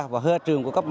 và hơ trường của cấp một